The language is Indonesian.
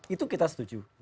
itu kita setuju